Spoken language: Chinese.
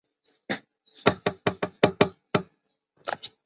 中国国民党指责这是一种去蒋化及去中国化。